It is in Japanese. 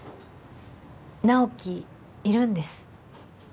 直木いるんです